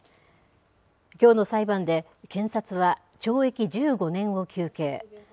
きょうの裁判で、検察は懲役１５年を求刑。